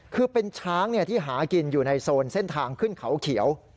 คือเป็นช้างที่หากินอยู่ในโซนเส้นทางขึ้นเขาเขียว